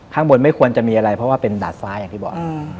ข้างบนไม่ควรจะมีอะไรเพราะว่าเป็นดาดฟ้าอย่างที่บอก